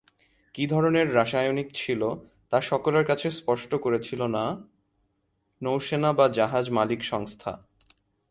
কী ধরনের রাসায়নিক ছিল, তা সকলের কাছে স্পষ্ট করেছিল না নৌসেনা বা জাহাজ মালিক সংস্থা।